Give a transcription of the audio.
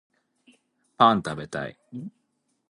パン食べたい